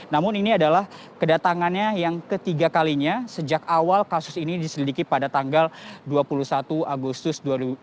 namun ini adalah kedatangannya yang ketiga kalinya sejak awal kasus ini diselidiki pada tanggal dua puluh satu agustus dua ribu dua puluh